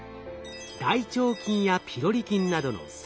大腸菌やピロリ菌などの細菌。